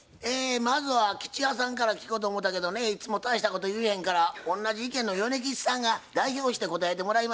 まずは吉弥さんから聞こうと思うたけどねいつも大したこと言えへんから同じ意見の米吉さんが代表して答えてもらいましょうか。